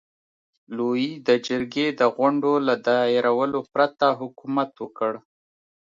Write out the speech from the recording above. لويي د جرګې د غونډو له دایرولو پرته حکومت وکړ.